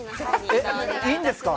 え、いいんですか。